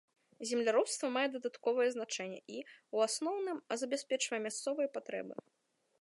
Земляробства мае дадатковае значэнне і, у асноўным, забяспечвае мясцовыя патрэбы.